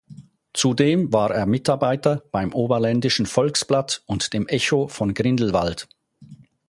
Zudem war er Mitarbeiter beim "Oberländischen Volksblatt" und dem "Echo von Grindelwald".